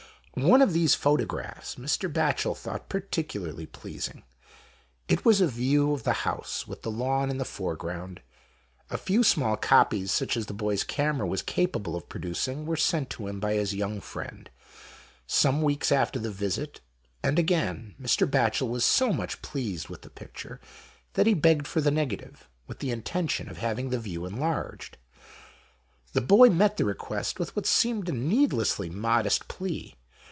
One of these photographs Mr. Batchel thought particularly pleasing. It was a view of the house with the lawn in the foreground. A few small copies, such as the boy's camera was capable of producing, were sent to him by his young friend, some weeks after the visit, and again Mr. Batchel was so much pleased with the picture, that he begged for the negative, with the intention of having the view enlarged. The boy met the request with what seemed a needlessly modest plea.